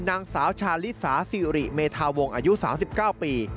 นางสาวชาลิสาสิริเมธาวงอายุ๓๙ปี